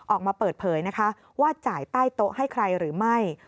ออกมาเปิดเผยนะคะว่าจ่ายใต้โต๊ะให้ใครหรือไม่